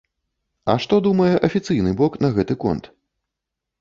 А што думае афіцыйны бок на гэты конт?